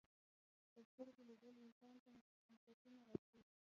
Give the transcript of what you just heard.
په سترګو لیدل انسان ته حقیقتونه راښيي